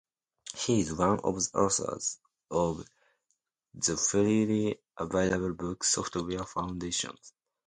He is one of the authors of the freely available book "Software Foundations".